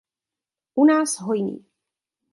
U nás hojný.